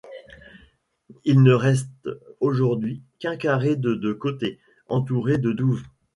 Il ne reste aujourd'hui qu’un carré de de côté, entouré de douves.